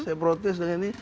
saya protes dengan ini